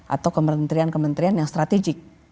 atau kementerian kementerian yang strategik